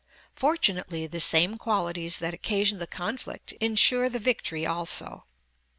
Fortunately the same qualities that occasion the conflict insure the victory also.